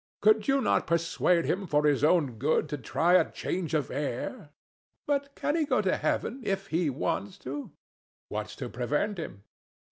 could you not persuade him for his own good to try a change of air? ANA. But can he go to Heaven if he wants to? THE DEVIL. What's to prevent him?